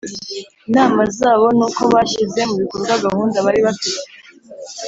inama zabo n' uko bashyize mu bikorwa gahunda bari bafite.